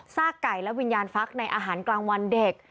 ไก่และวิญญาณฟักในอาหารกลางวันเด็ก